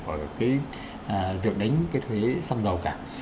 ở cái việc đánh cái thuế xăng dầu cả